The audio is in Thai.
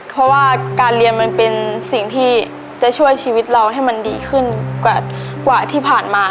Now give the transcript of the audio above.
เพราะว่าการเรียนมันเป็นสิ่งที่จะช่วยชีวิตเราให้มันดีขึ้นกว่าที่ผ่านมา